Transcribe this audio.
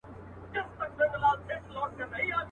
تر غوږو مي ورته تاو كړل شخ برېتونه.